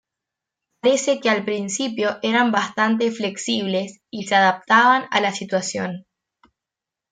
Parece que al principio eran bastante flexibles y se adaptaban a la situación.